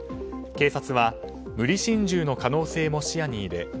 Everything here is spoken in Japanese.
警察は無理心中の可能性も視野に入れ